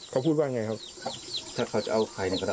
พระอาจารย์ก็ยอมรับให้ไหมว่ามีอะไร